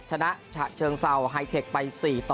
ชนะเชิงเซาไฮเทคไป๔๐